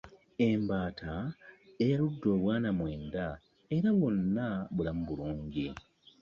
Embaata yayaludde obwana mwenda era bwonna bulamu bulungi.